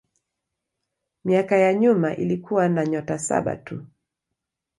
Miaka ya nyuma ilikuwa na nyota saba tu.